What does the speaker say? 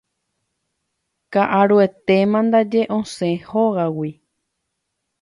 Ka'aruetéma ndaje osẽ hógagui